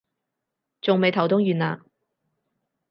仲未頭痛完啊？